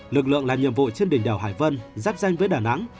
lực lượng làm nhiệm vụ trên đỉnh đèo hải vân giáp danh với đà nẵng